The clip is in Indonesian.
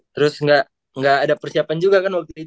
terus nggak ada persiapan juga kan waktu itu